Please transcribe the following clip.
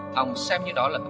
thông xem như đó là